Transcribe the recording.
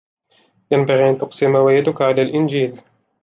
ينبغي أن تقسم ويدك على الإنجيل.